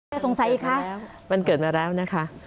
น่าจะเกิดมาแล้วนะค่ะ